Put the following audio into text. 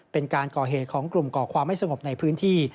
เป็นการก่อเหตุของกลุ่มก่อความไม่สงบในพื้นที่